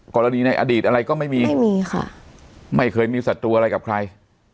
กรณีในอดีตอะไรก็ไม่มีไม่มีค่ะไม่เคยมีศัตรูอะไรกับใคร